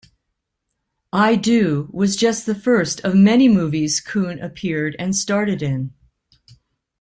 "I Do" was just the first of many movies Koon appeared and started in.